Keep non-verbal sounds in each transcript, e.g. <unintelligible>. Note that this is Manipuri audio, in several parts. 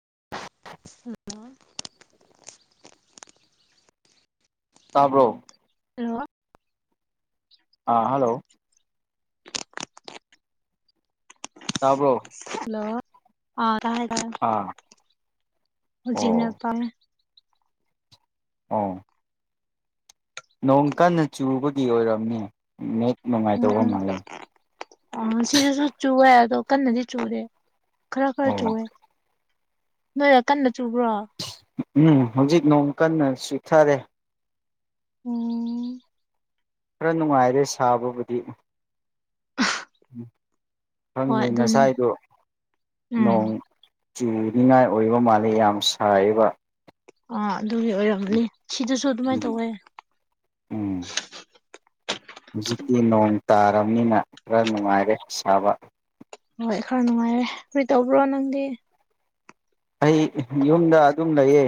<unintelligible> ꯍꯂ ꯇꯥꯕ꯭ꯔꯣ ꯍꯜꯂꯣ ꯑꯥ ꯍꯜꯂꯣ ꯇꯥꯕ꯭ꯔꯣ ꯍꯜꯂꯣ ꯑꯥ ꯇ ꯑꯥ ꯑꯣ ꯍꯧꯖꯤꯛꯅꯦꯄꯃꯦ ꯑ ꯅꯣꯡ ꯀꯟꯅ ꯆꯨꯕꯒꯤ ꯑꯣꯏꯔꯝꯅꯤ ꯅꯦꯛ ꯅꯨꯡꯉꯥꯏꯇꯧꯕ ꯃꯥꯜꯂꯦ ꯎ ꯁꯤꯗꯨꯁꯨ ꯆꯨꯋꯦ ꯑꯗꯣ ꯀꯟꯅꯗꯤ ꯆꯨꯔꯦ ꯈꯔ ꯈꯔ ꯑꯣ ꯆꯨꯋꯦ ꯅꯣꯏꯔ ꯀꯟꯅ ꯆꯨꯕ꯭ꯔꯣ ꯎꯝ ꯍꯧꯖꯤꯛ ꯅꯣꯡ ꯀꯟꯅ ꯁꯨꯊꯔꯦ ꯎꯝ ꯈꯔ ꯅꯨꯡꯉꯥꯏꯔꯦ ꯁꯥꯕꯕꯨꯗꯤ ꯍꯣꯏ ꯈꯪꯉꯦ ꯑꯗꯨꯅꯦ ꯉꯁꯥꯏꯗꯨꯣ ꯎꯝ ꯅꯣꯡ ꯆꯤꯅꯤꯉꯥꯏ ꯑꯣꯏꯕ ꯃꯥꯜꯂꯤꯦ ꯌꯥꯝ ꯁꯥꯏꯕ ꯑꯥ ꯑꯗꯨꯒꯤ ꯑꯣꯏꯔꯝꯅꯤ ꯁꯤꯗꯁꯨ ꯑꯗꯨꯃꯥꯏꯅ ꯎꯝ ꯇꯧꯋꯦ ꯎꯝ ꯍꯧꯖꯤꯛꯇꯤ ꯅꯣꯡ ꯇꯥꯔꯕꯅꯤꯅ ꯈꯔ ꯅꯨꯡꯉꯥꯏꯔꯦ ꯁꯥꯕ ꯍꯣꯏ ꯈꯔ ꯅꯨꯡꯉꯥꯏꯔꯦ ꯀꯔꯤ ꯇꯧꯕ꯭ꯔꯣ ꯅꯪꯗꯤ ꯑꯩ ꯌꯨꯝꯗ ꯑꯗꯨꯝ ꯂꯩꯌꯦ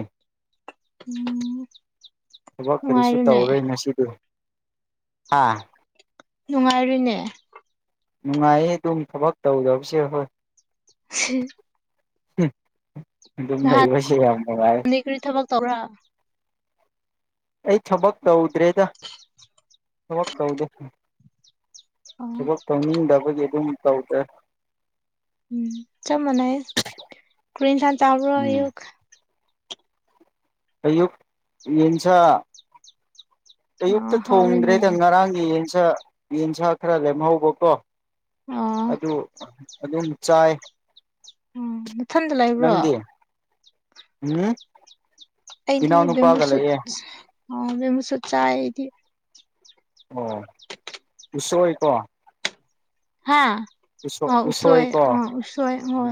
ꯎꯝ ꯊꯕꯛ ꯀꯔꯤꯁꯨ ꯅꯨꯡꯉꯥꯏꯔꯤꯅꯦ ꯇꯧꯔꯣꯏ ꯉꯁꯤꯗꯤ ꯍꯥ ꯅꯨꯡꯉꯥꯏꯔꯨꯏꯅꯦ ꯅꯨꯡꯉꯥꯏꯌꯦ ꯑꯗꯨꯝ ꯊꯕꯛ ꯇꯧꯗꯕꯁꯦ ꯍꯣꯏ ꯍ ꯑꯗꯨꯅꯕꯁ ꯌꯥꯝꯉꯥꯏ ꯇꯧꯔꯥ ꯑꯩ ꯊꯕꯛ ꯇꯧꯗ꯭ꯔꯦꯗ ꯊꯕꯛ ꯇꯧꯗꯦ ꯎꯝ ꯊꯕꯛ ꯇꯧꯅꯤꯡꯗꯕꯒꯤ ꯑꯗꯨꯝ ꯇꯧꯗꯦ ꯎꯝ ꯆ ꯃꯅꯥꯏ ꯀꯔꯤ ꯁꯟ ꯆꯥꯎ꯭ꯔꯣ ꯌ ꯎꯝ ꯑꯌꯨꯛ ꯌꯦꯡꯟꯆꯥ ꯑꯌꯨꯛꯇ ꯑꯣ ꯍꯥꯎꯔꯦꯅꯦ ꯊꯣꯡꯗ꯭ꯔꯦꯗ ꯉꯔꯥꯡ ꯌꯦꯟ ꯌꯦꯟꯁꯥ ꯈꯔ ꯂꯦꯝꯍꯧꯕ ꯀꯣ ꯑꯣ ꯑꯗꯨ ꯑꯗꯨꯝ ꯆꯥꯏ ꯎꯝ ꯃꯊꯟꯗ ꯂꯩꯕ꯭ꯔꯣ ꯅꯪꯗꯤ ꯎꯝ ꯑꯩꯗꯤ ꯏꯅꯥꯎꯅꯨꯄꯥꯒ ꯕꯝꯃꯨꯁꯨꯨꯠ ꯂꯩꯌꯦ ꯑꯣ ꯃꯨ ꯁ ꯆ ꯑꯣ ꯎꯁꯣꯏꯀꯣ ꯍꯥꯥ ꯑ ꯎꯁꯣꯏ ꯑ ꯎꯁꯣꯏ ꯑꯣ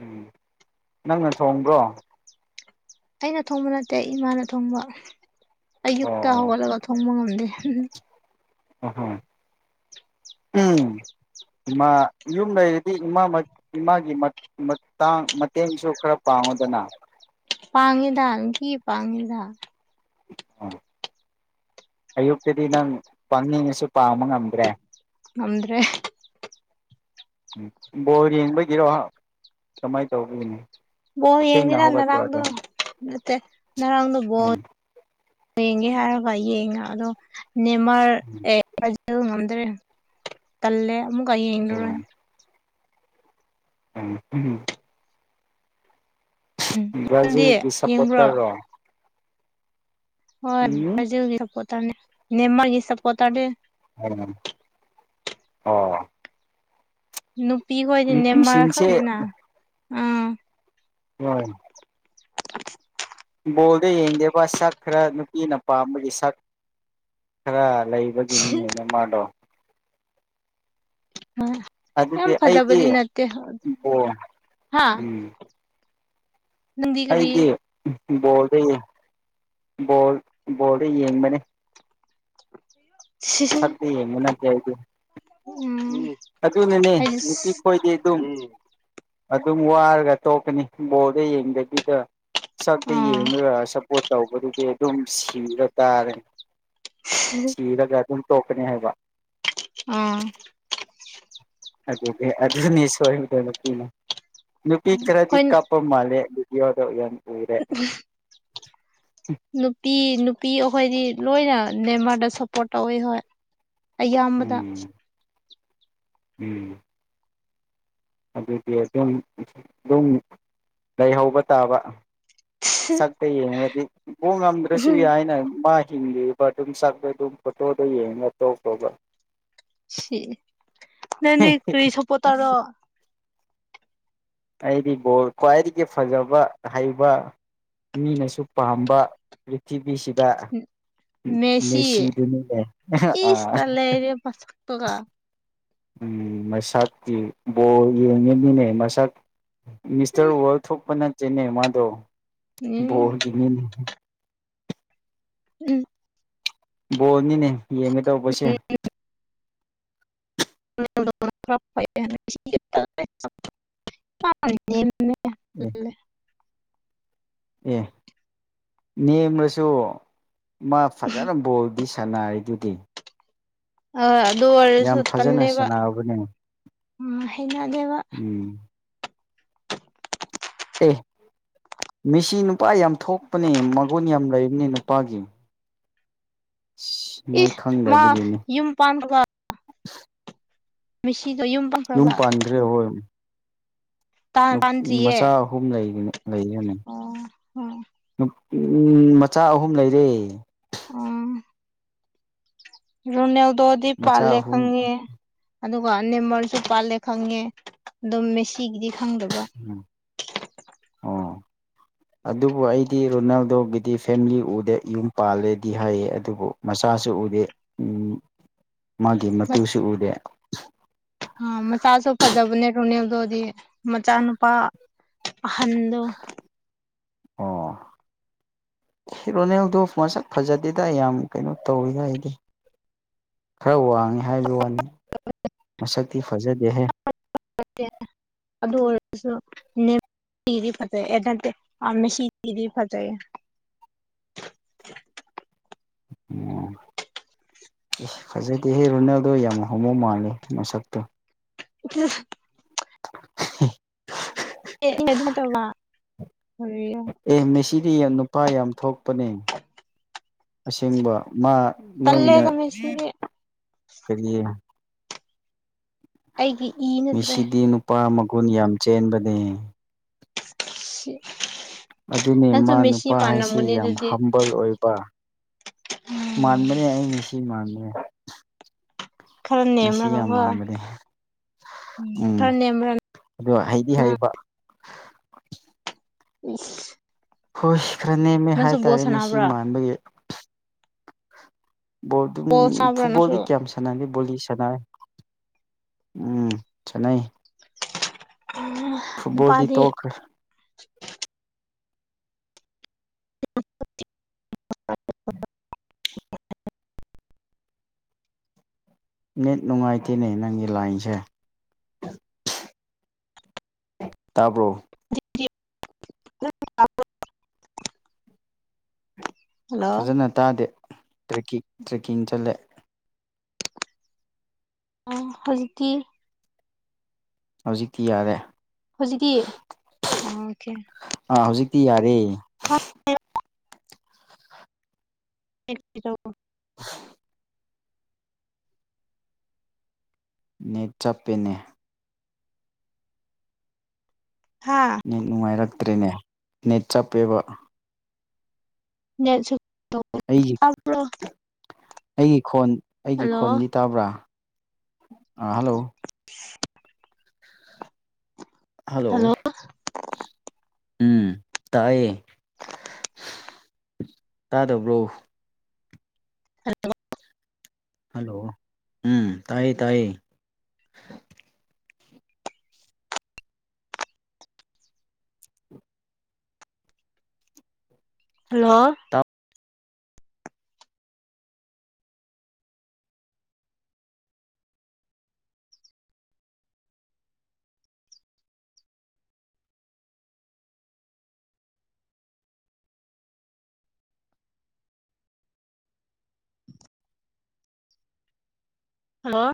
ꯎꯝ ꯅꯪꯅ ꯊꯣꯡꯕ꯭ꯔꯣ ꯑꯩꯅ ꯊꯣꯡꯕ ꯅꯠꯇꯦ ꯑꯩ ꯏꯃꯥꯅ ꯊꯣꯡꯕ ꯑꯣ ꯑꯌꯨꯛꯇ ꯑꯣ ꯍꯧꯒꯠꯂꯒ ꯊꯣꯡꯕ ꯉꯝꯗꯦ ꯎꯝ ꯑ ꯎꯝ ꯏꯃꯥ ꯌꯨꯝ ꯂꯩꯔꯗꯤ ꯏꯃꯥ ꯏꯃꯥꯒꯤ ꯃꯇꯥꯡ ꯃꯇꯦꯡꯁꯨ ꯈꯔ ꯄꯥꯡ ꯉꯗꯅ ꯄꯥꯡꯉꯤꯗ ꯀ ꯄꯥꯡꯉꯗ ꯎ ꯑꯌꯨꯛꯇꯗꯤ ꯅꯪ ꯄꯥꯅꯤꯡꯉꯁꯨ ꯄꯥꯕ ꯉꯝꯗ꯭ꯔꯦ ꯅꯗ꯭ꯔꯦ ꯎꯝ ꯕꯣꯔ ꯌꯦꯡꯕꯒꯤꯔꯣ ꯀꯃꯥꯏꯅ ꯇꯧꯕꯒꯤꯅꯤ ꯕ ꯊꯦꯡꯅ ꯌꯦꯡꯕꯤꯗ ꯍꯧꯒꯠꯄ꯭ꯔꯣ ꯅꯔꯥꯡꯗ ꯑꯗꯣ ꯅꯠꯇ ꯉꯔꯥꯡꯗ ꯣ ꯎꯝ ꯌꯦꯡꯒꯦ ꯍꯥꯏꯔꯕ ꯌꯦꯡꯉ ꯑꯗꯣ ꯅꯦꯃꯔ ꯑꯦ ꯑꯗꯨ ꯉꯝꯗ꯭ꯔꯦ ꯇꯜꯂꯦ ꯑꯃꯨꯛꯀ ꯌꯦꯡꯔꯣꯏ ꯎꯝ ꯎꯝ ꯅꯪꯗꯤ ꯕꯖꯜ ꯕꯤꯁꯥꯄꯇꯥ ꯌꯦꯡꯕ꯭ꯔꯣ ꯔ ꯎꯝ ꯍꯣꯏꯖ ꯁꯄꯣꯔ ꯇꯥꯅꯤ ꯅꯦꯝꯃꯒꯤ ꯁꯄꯣꯔꯠ ꯇꯥꯔꯅꯤ ꯎꯝ ꯑꯣ ꯅꯨꯄꯤ ꯈꯗꯤ ꯅꯦꯝꯃ ꯅꯨꯄꯤꯁꯤꯡꯁꯦ ꯈꯪꯗꯅ ꯑꯣꯏ ꯐꯨꯠꯕꯣꯜꯗ ꯌꯦꯡꯗꯕ ꯁꯛ ꯈꯔ ꯅꯨꯄꯤꯅ ꯄꯥꯝꯕꯒꯤ ꯁꯛ ꯈꯔ ꯂꯩꯕꯒꯤ ꯃꯤꯅꯦꯅꯦ ꯃꯥꯗꯣ ꯌꯥꯝ ꯑꯗꯨꯗꯤ ꯑꯩꯗꯤ ꯐꯗꯥꯕꯗꯤ ꯅꯠꯇ ꯕꯣꯜ ꯍꯥꯥ ꯎꯝ ꯑꯩꯗꯤ ꯕꯣꯜꯗ ꯕꯜ ꯕꯣꯜꯗꯣ ꯌꯦꯡꯕꯅꯦ <unintelligible> ꯁꯗꯦ ꯃꯅ ꯀ ꯍꯥꯏꯗꯤ ꯎꯝ ꯑꯗꯨꯅꯅꯦ ꯑꯩꯗꯤ ꯅꯨꯄꯤ ꯈꯣꯏꯗꯤ ꯑꯗꯨꯝ ꯑꯗꯨꯝ ꯋꯥꯔꯒ ꯇꯣꯛꯀꯅꯤ ꯕꯣꯔꯗ ꯌꯦꯡꯕꯤꯗ ꯁꯛꯇ ꯑꯥ ꯑꯥ ꯌꯦꯡꯉꯒ ꯁꯛ ꯄꯣꯠ ꯇꯧꯕꯗꯨꯗꯤ ꯑꯗꯨꯝ ꯁꯤꯕ ꯇꯥꯔꯦ ꯁꯤꯔꯒ ꯑꯗꯨꯝ ꯇꯣꯛꯀꯅꯤ ꯍꯥꯏꯕ ꯑꯥ ꯑꯗꯨꯗꯤ ꯑꯗꯨꯅꯤ ꯁꯣꯏꯗꯅꯀꯤꯅꯦ ꯅꯨꯄꯤ ꯈꯔꯗꯤ ꯀꯥꯞꯄ ꯃꯥꯜꯂꯦ ꯌꯗ ꯌꯥꯅꯤ ꯎꯝ ꯅꯨꯄꯤ ꯅꯨꯄꯤ ꯑꯩꯈꯣꯏꯗꯤ ꯂꯣꯏꯅ ꯅꯦꯝꯃꯔꯗ ꯁꯞꯄꯣꯔꯠ ꯇꯧꯋꯤ ꯍꯣꯏ ꯑꯌꯥꯝꯕꯗ ꯎꯝ ꯎꯝ ꯑꯗꯨꯗꯤ ꯑꯗꯨꯝ ꯑꯗꯨꯝ ꯂꯩꯍꯧꯕ ꯇꯥꯕ ꯁꯛꯇ ꯌꯦꯡꯉꯒꯗꯤ ꯎ ꯉꯝꯗ꯭ꯔꯁꯨ ꯌꯥꯏꯅ ꯃꯥꯏ ꯍꯤꯡꯕꯤꯕ ꯑꯗꯨꯝ ꯁꯛꯄ ꯑꯗꯨꯝ ꯐꯣꯇꯣꯗꯣ ꯌꯦꯡꯉ ꯇꯣ ꯇꯒ ꯁꯤ ꯅꯅꯤ ꯇꯏ ꯁꯣꯄꯇꯔ ꯑꯩꯗꯤ ꯕꯣꯜ ꯈ꯭ꯋꯥꯏꯗꯒꯤ ꯐꯖꯕ ꯍꯩꯕ ꯃꯤꯅꯁꯨ ꯄꯥꯝꯕ ꯄ꯭ꯔꯤꯊꯤꯕꯤꯁꯤꯗ ꯃꯦꯁꯤ ꯃꯁꯤꯗꯨꯅꯤꯦ ꯑ ꯏꯁ ꯇꯜꯂꯦ ꯃꯁꯛꯇꯨꯒ ꯎꯝ ꯃꯁꯥꯛꯀꯤ ꯕꯣꯔꯒꯤꯅꯦ ꯃꯁꯛ ꯃꯤꯁꯇꯔ ꯎꯝ ꯋꯥꯜ ꯊꯣꯛꯄ ꯅꯠꯇꯦꯅꯦ ꯃꯥꯗꯣ ꯎꯝ ꯕꯣꯒꯤ ꯃꯤꯅꯤ ꯎꯝ ꯕꯣꯜꯅꯤꯅꯦ ꯌꯦꯡꯒ ꯇꯧꯕꯁꯦ ꯔ ꯑꯂ ꯑꯦ ꯑꯦ ꯅꯦꯝꯅꯁꯨ ꯃꯥ ꯐꯖꯅ ꯕꯣꯜ ꯗꯤ ꯁꯥꯟꯅꯔꯤꯗꯨꯗꯤ ꯑꯣ ꯑꯗꯨ ꯑꯣꯏꯔꯁꯨ ꯌꯥꯝ ꯐꯖꯅ ꯇꯜꯂꯦꯕ ꯁꯥꯟꯅꯕꯅꯦ ꯎ ꯍꯩꯅꯗꯦꯕ ꯎꯝ ꯑꯦ ꯃꯤꯁꯤ ꯅꯨꯄꯥ ꯌꯥꯝ ꯊꯣꯛꯄꯅꯦ ꯃꯒꯨꯟ ꯌꯥꯝ ꯂꯩꯕꯅꯤ ꯅꯨꯄꯥꯒꯤꯌꯨꯝ ꯅꯣꯏ ꯏꯁ ꯃꯥ ꯈꯪꯗꯕꯤꯒꯤꯅꯤ ꯌꯨꯝ ꯄꯥꯟꯈ꯭ꯔꯕ ꯃꯤꯁꯤꯗꯣ ꯌꯨꯝ ꯄꯪꯈ꯭ꯔꯕ ꯄꯥꯟꯈ꯭ꯔꯦ ꯍꯣꯏ ꯃꯆꯥ ꯑꯍꯨꯝ ꯂꯩꯔꯅꯤ ꯑꯣ ꯎꯝ ꯎꯝ ꯃꯆꯥ ꯑꯍꯨꯝ ꯂꯩꯔꯦ ꯑꯣ ꯔꯨꯅꯦꯜꯗꯣꯗꯤ ꯃꯆꯥ ꯄꯥꯂꯦ ꯑꯍꯨꯝ ꯈꯪꯦ ꯑꯗꯨꯒ ꯑꯅꯦꯝꯃꯔꯁꯨ ꯄꯥꯜꯂꯦ ꯈꯪꯉꯦ ꯑꯗꯨꯝ ꯃꯦꯁꯤꯒꯤꯗꯤ ꯈꯪꯗꯕ ꯑꯣ <unintelligible> ꯑꯗꯨꯕꯨ ꯑꯩꯗꯤ ꯔꯣꯅꯥꯜꯗꯣꯒꯤꯗꯤ ꯐꯦꯃꯤꯂꯤ ꯎꯗꯦ ꯌꯨꯝ ꯄꯥꯜꯂꯦꯗꯤ ꯍꯥꯏꯌꯦ ꯑꯗꯨꯕꯨ ꯃꯆꯥꯁꯨ ꯎꯗꯦ ꯎꯝ <inaudible> ꯃꯥꯒꯤ ꯃꯇꯨꯁꯨ ꯎꯗꯦ ꯑꯥ ꯃꯆꯥꯁꯨ ꯐꯖꯕꯅꯦ ꯔꯣꯅꯦꯜꯗꯣꯗꯤ ꯃꯆꯥꯅꯨꯄꯥ ꯑꯍꯟꯗꯣ ꯑꯣ ꯍꯦ ꯔꯣꯅꯦꯜꯗꯣ ꯃꯁꯛ ꯐꯖꯗꯦꯗ ꯌꯥꯝ ꯀꯩꯅꯣ ꯇꯧꯋꯤꯗ ꯑꯩꯗꯤ ꯈꯔ ꯋꯥꯡ ꯍꯥꯏꯕ ꯋꯥꯅꯤ ꯃꯁꯛꯇꯤ ꯐꯖꯗꯦꯍꯦ ꯖꯁꯣ ꯅꯦꯝ ꯇꯤꯗꯤ ꯐꯖꯩ ꯑꯦ ꯅꯠꯇꯦ ꯑꯥ ꯃꯦꯁꯤꯗꯤ ꯐꯖꯩꯌꯦ <unintelligible> ꯎꯝ ꯏꯁ ꯐꯖꯗꯦꯍꯦ ꯔꯨꯅꯥꯜꯗꯣ ꯌꯥꯝ ꯍꯣꯝꯃꯣ ꯃꯥꯜꯂꯦ ꯃꯁꯛꯇꯣ ꯎꯛ ꯆꯠ ꯁꯁ <unintelligible> ꯑꯦ ꯑꯩꯅ ꯑꯗꯨꯃꯥꯏ ꯇꯧꯕ ꯑꯦ ꯃꯦꯁꯤꯗꯤ ꯌꯥꯝ ꯅꯨꯄꯥ ꯌꯥꯝ ꯊꯣꯛꯄꯅꯦ ꯑꯁꯦꯡꯕ ꯃꯥ ꯅꯪꯅ ꯇꯜꯂꯦꯗ ꯃꯦꯁꯤꯗꯤ ꯀꯔꯤ ꯑꯩꯒꯤ ꯏ ꯅꯠꯇ꯭ꯔꯦ ꯃꯤꯁꯤꯗꯤ ꯅꯨꯄꯥ ꯃꯒꯨꯟ ꯌꯥꯝ ꯆꯦꯟꯕꯅꯦ ꯁꯤ ꯑꯗꯨꯅꯤ ꯅꯪꯁꯨ ꯃꯥ ꯃꯦꯁꯤ ꯅꯨꯄꯥ ꯍꯥꯏꯁꯤ ꯃꯥꯟꯅꯝꯒꯅꯤ ꯌꯥꯝ ꯑꯗꯨꯗꯤ ꯍꯝꯕꯜ ꯑꯣꯏꯕ ꯎꯝ ꯃꯥꯟꯕꯅꯤ ꯑꯩ ꯃꯤꯁꯤ ꯃꯥꯟꯕꯅꯦ ꯈꯔ ꯃꯤꯁꯤ ꯌꯥꯝ ꯅꯦꯝꯔꯒꯀꯣ ꯃꯥꯟꯕꯅꯦ ꯍꯍ ꯎꯝ ꯈꯔ ꯅꯦꯝꯔ ꯑꯗꯣ ꯍꯩꯗꯤ ꯍꯩꯕ ꯁꯍꯍ ꯍꯨꯏꯁ ꯈꯔ ꯅꯦꯝꯃꯦ ꯍꯥꯏ ꯇꯥꯔꯦ ꯃꯤꯁꯤ ꯃꯥꯟꯕꯒꯤ ꯕꯣꯜ ꯑꯗꯨꯝ ꯁꯥꯟꯅꯕ꯭ꯔꯥ ꯅꯪꯁꯨ ꯐꯨꯠꯕꯣꯜꯗꯤ ꯀꯌꯥꯝ ꯁꯥꯟꯅꯗꯦ ꯕꯣꯂꯤ ꯁꯥꯟꯅꯩ ꯎꯝ ꯁꯥꯟꯅꯩ ꯎꯝ ꯍ ꯐꯨꯠꯕꯣꯜꯗꯤ ꯅꯨꯄꯥꯗꯤ ꯇꯣꯛꯈ꯭ꯔꯦ <unintelligible> <inaudible> ꯅꯦꯠ ꯅꯨꯡꯉꯥꯏꯇꯦꯅꯦ ꯅꯪꯒꯤ ꯂꯥꯏꯟꯁꯦ ꯇꯥꯕ꯭ꯔꯣ <unintelligible> ꯍꯜꯂꯣ ꯐꯖꯅ ꯇꯥꯗꯦ ꯇ꯭ꯔꯦꯛꯀꯤꯡ ꯇ꯭ꯔꯦꯛꯀꯤꯡ ꯆꯠꯂꯦ ꯑ ꯍꯧꯖꯤꯛꯇꯤ ꯍꯧꯖꯤꯛꯇꯤ ꯌꯥꯔꯦ ꯍꯧꯖꯤꯛꯇꯤ ꯑꯣ ꯈꯦ ꯇꯤ ꯌꯥꯔꯦ <unintelligible> <inaudible> ꯅꯦꯠ ꯆꯞꯄꯦꯅꯦ ꯍꯥ ꯅꯦꯠ ꯅꯨꯡꯉꯥꯏꯔꯛꯇ꯭ꯔꯦꯅꯦ ꯅꯦꯠ ꯆꯞꯄꯦꯕ ꯑꯩꯒꯤ <unintelligible> ꯑꯩꯒꯤ ꯈꯣꯟ ꯑꯩꯒꯤ ꯍꯜꯂꯣ ꯈꯣꯟꯗꯤ ꯇꯥꯕ꯭ꯔꯥ ꯑ ꯍꯜꯂꯣ ꯍꯜꯂꯣ ꯎꯝ ꯇꯥꯏꯌꯦ ꯇꯥꯗꯕ꯭ꯔꯣ ꯍꯜꯂꯣ ꯍꯜꯂꯣ ꯎꯝ ꯇꯥꯏ ꯇꯥꯏ ꯍꯜꯂꯣ ꯍꯂ